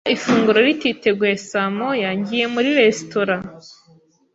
Niba ifunguro rititeguye saa moya, ngiye muri resitora.